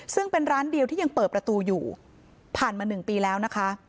ซึ่งเป็นร้านเดียวที่ยังเปิดประตูอยู่ผ่านมา๑ปีแล้วนะคะ